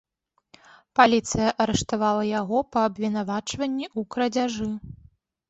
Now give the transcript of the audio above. Паліцыя арыштавала яго па абвінавачванні ў крадзяжы.